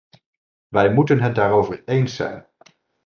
Wij moeten het daarover eens zijn.